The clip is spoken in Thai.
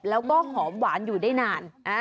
แล้วก็หอมหวานอยู่ได้นาน